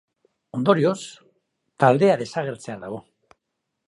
Ondorioz, taldea desagertzear dago.